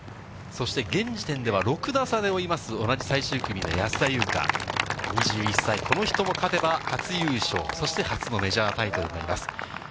そして現時点では、６打差で追います、同じ最終組の安田祐香、２１歳、この人も勝てば初優勝、そして初のメジャータイトルになります。